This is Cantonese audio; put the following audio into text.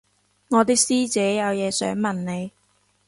我啲師姐有嘢想問你